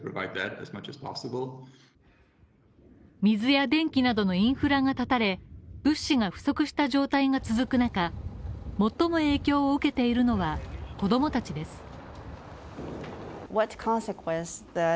水や電気などのインフラが絶たれ物資が不足した状態が続く中、最も影響を受けているのは子供たちです。